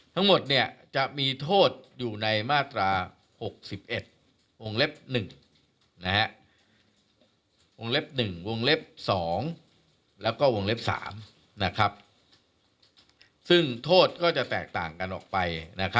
ทั้งหมดจะมีโทษอยู่ในมาตรา๖๑วงเล็บ๑วงเล็บ๑วงเล็บ๒แล้วก็วงเล็บ๓ซึ่งโทษก็จะแตกต่างกันออกไป